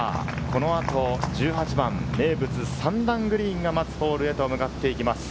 この後１８番、名物３段グリーンが待つホールへと向かっていきます。